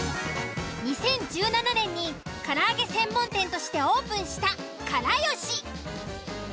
２０１７年にから揚げ専門店としてオープンした「から好し」。